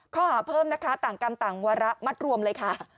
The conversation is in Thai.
ข้อหาเพิ่มนะคะต่างกรรมต่างวาระมัดรวมเลยค่ะ